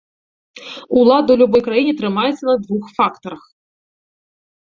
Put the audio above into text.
Улада ў любой краіне трымаецца на двух фактарах.